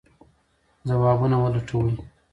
ځوابونه ولټوئ.